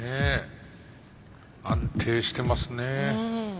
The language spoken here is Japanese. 安定してますね。